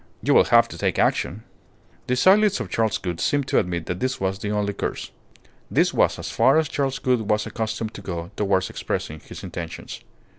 "You will have to take action." The silence of Charles Gould seemed to admit that this was the only course. This was as far as Charles Gould was accustomed to go towards expressing his intentions.